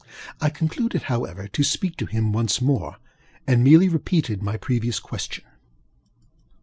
I concluded, however, to speak to him once more, and merely repeated my previous question.